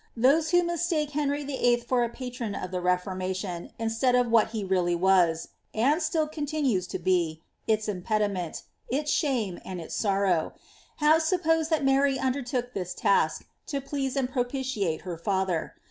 Those vho mistake Henry VII 1. for a patron of the Reformation, instead of what he really was (and still continues to be), its impediment, its shame, ud its sorrow, have supposed tliat Mar)' undertook this task to please and propitiate l)cr father.